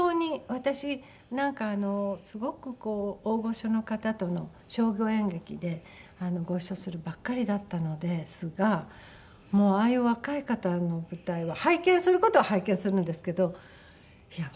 私なんかすごくこう大御所の方との商業演劇でご一緒するばっかりだったのですがああいう若い方の舞台は拝見する事は拝見するんですけどいや